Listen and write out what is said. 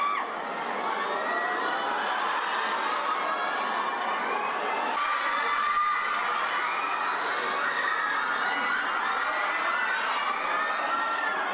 น้องน้องจะพูดหนึ่งนะครับร่างกายสูงรุ่นเสียงแรงนะครับ